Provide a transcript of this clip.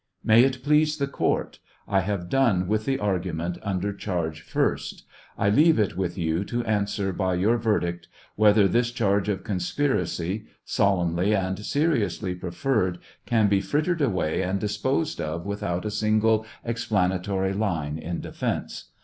May it please the court, I have done with the argument under charge first. I leave it with you to answer by your verdict whether this charge of conspiracy, solemnly and seriously preferred, can be frittered away and disposed of without a single explanatory line in defence.